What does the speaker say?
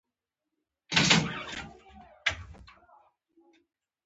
د هغو ساندو غږ پورته کوي.